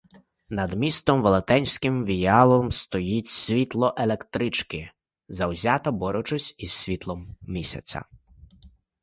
Над містом велетенським віялом стоїть світло електрики, завзято борючись із світлом місяця.